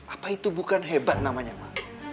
apa itu bukan hebat namanya ma